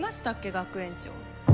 学園長。